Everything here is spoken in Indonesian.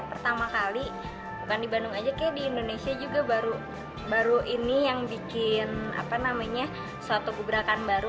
pertama kali bukan di bandung aja kayak di indonesia juga baru ini yang bikin suatu gebrakan baru